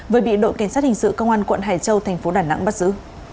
với bị đội kiến sát hình sự công an quận hải châu thành phố đà nẵng bắt giữ